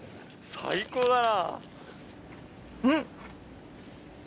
最高だな。